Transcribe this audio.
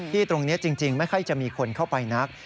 ตรงนี้จริงไม่ค่อยจะมีคนเข้าไปนัก